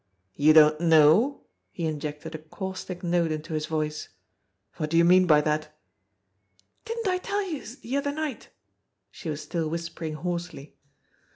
"You don't know!" He injected a caustic note into his voice. "What do you mean by that?" "Didn't I tell youse de other night !" She was still whis pering hoarsely.